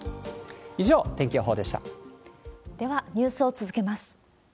以上、では、ニュースを続けます。